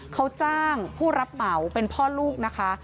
เขาจ้างผู้รับเหมาเป็นพ่อลูกนะคะ